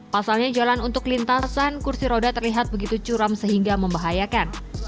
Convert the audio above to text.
pasalnya jalan untuk lintasan kursi roda terlihat begitu curam sehingga membahayakan